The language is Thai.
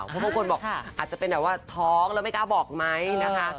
เพราะบางคนบอกอาจจะเป็นแบบว่าท้องแล้วไม่กล้าบอกไหมนะคะ